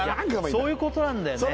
そういうことなんだよね